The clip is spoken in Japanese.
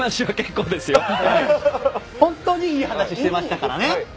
本当にいい話をしていましたからね。